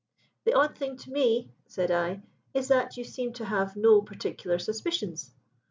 "'The odd thing to me,' said I, 'is that you seem to have no particular suspicions.'